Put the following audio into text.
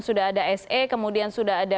sudah ada se kemudian sudah ada